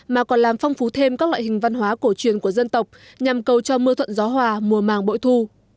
mà còn làm phong phú thêm các loại hình văn hóa cổ truyền của dân tộc nhằm cầu cho mưa thuận gió hòa mùa màng bội thu